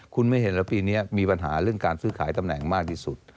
คุณไม่เห็นแล้วปีนี้มีปัญหาเรื่องการซื้อขายตำแหน่งมากที่สุด